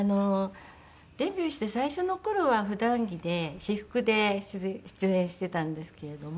デビューして最初の頃は普段着で私服で出演していたんですけれども。